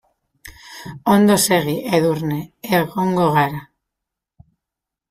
Ondo segi Edurne, egongo gara.